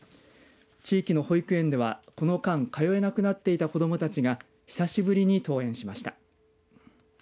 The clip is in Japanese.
地域の保育園では、この間通えなくなっていた子どもたちが久しぶりに登園しました。